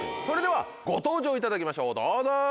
それではご登場いただきましょうどうぞ。